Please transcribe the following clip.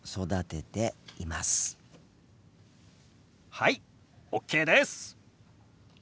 はいＯＫです！